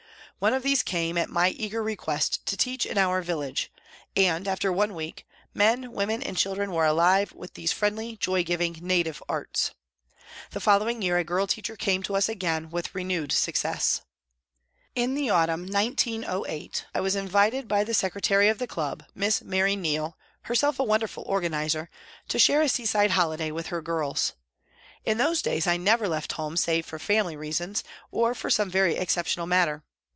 One of these came, at my eager request, to teach in our village, and, after one week, men, women and children were alive with these friendly, joy giving, native arts. The following year a girl teacher came to us again with renewed success. In the autumn, 1908, I was invited by the secre tary of the club, Miss Mary Neal, herself a wonderful organiser, to share a seaside holiday with her girls. In those days I never left home save for family reasons, or for some very exceptional matter.